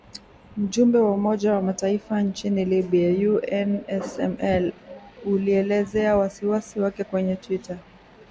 Ujumbe wa Umoja wa Mataifa nchini Libya (UNSML) ulielezea wasiwasi wake kwenye twitter